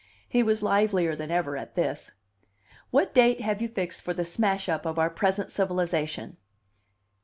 He was livelier than ever at this. "What date have you fixed for the smash up of our present civilization?"